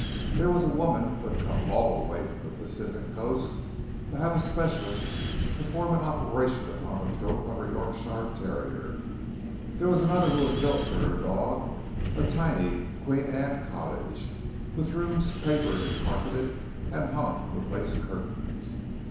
There was a woman who had come all the way from the Pacific coast to have a specialist perform an operation upon the throat of her Yorkshire terrier! There was another who had built for her dog a tiny Queen Anne cottage, with rooms papered and carpeted and hung with lace curtains!